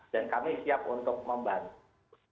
dan kami siap untuk membantu